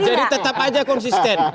jadi tetap aja konsisten